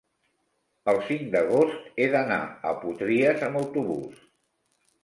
El cinc d'agost he d'anar a Potries amb autobús.